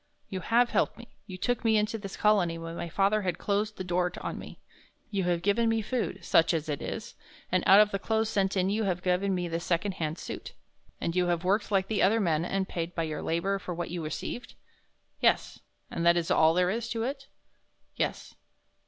"You have helped me; you took me into this Colony when my father had closed the door on me; you have given me food such as it is and out of the clothes sent in you have given me this second hand suit." "And you have worked like the other men and paid by your labor for what you received?" "Yes." "And that is all there is to it?" "Yes."